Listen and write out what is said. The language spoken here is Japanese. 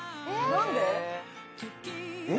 何で？